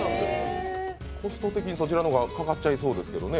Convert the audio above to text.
コスト的にそちらの方がかかっちゃいそうですけどね。